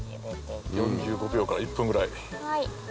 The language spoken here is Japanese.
４５秒から１分ぐらい。